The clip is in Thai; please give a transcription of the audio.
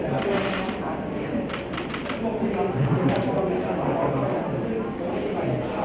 อ๋อไม่มีพิสิทธิ์